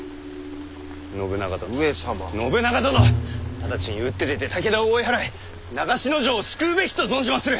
ただちに打って出て武田を追い払い長篠城を救うべきと存じまする！